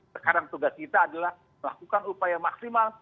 sekarang tugas kita adalah melakukan upaya maksimal